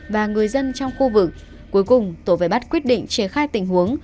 và người dân trong khu vực cuối cùng tổ về bắt quyết định triển khai tình huống